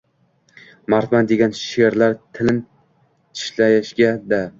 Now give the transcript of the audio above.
«Mardman!» degan sherlar tilin tishlashga-da.